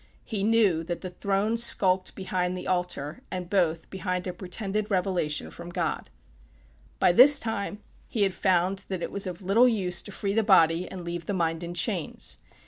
He knew that the throne skulked behind the altar, and both behind a pretended revelation from God. By this time he had found that it was of little use to free the body and leave the mind in chains.